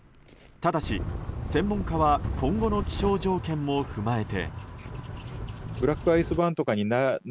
ただし、専門家は今後の気象条件も踏まえて。